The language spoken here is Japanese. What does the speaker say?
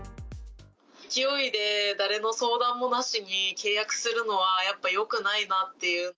勢いで誰の相談もなしに、契約するのはやっぱよくないなっていう。